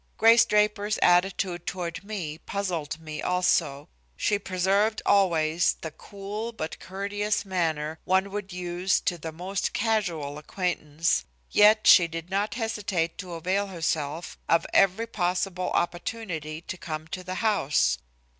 Grace Draper's attitude toward me puzzled me also. She preserved always the cool but courteous manner one would use to the most casual acquaintance, yet she did not hesitate to avail herself of every possible opportunity to come to the house.